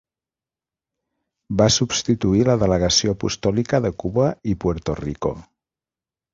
Va substituir la delegació apostòlica de Cuba i Puerto Rico.